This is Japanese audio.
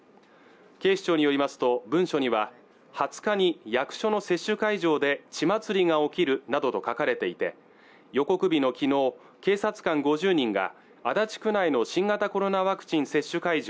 警視庁によりますと文書には２０日に役所の接種会場で血祭りが起きるなどと書かれていて予告日のきのう警察官５０人が足立区内の新型コロナワクチン接種会場